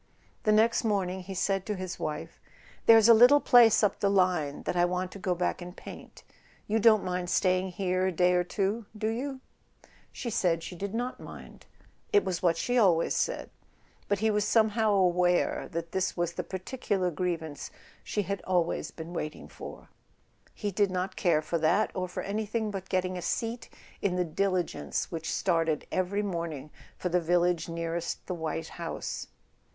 The next morning he said to his wife: "There's a little place up the line that I want to go back and paint. You don't mind staying here a day or two, do you ?" She said she did not mind; it was what she always said; but he was somehow aware that this was the particular grievance she had always been waiting for. He did not care for that, or for anything but getting a seat in the diligence which started every morning for the village nearest the white house.